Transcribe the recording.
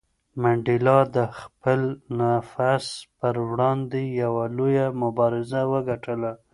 منډېلا د خپل نفس پر وړاندې یوه لویه مبارزه وګټله.